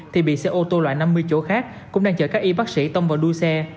thì bị xe ô tô loại năm mươi chỗ khác cũng đang chở các y bác sĩ tông vào đuôi xe